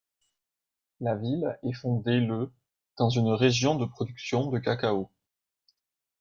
La ville est fondée le dans une région de production de cacao.